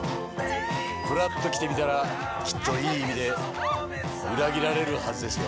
ふらっと来てみたらきっと良い意味で裏切られるはずですよ。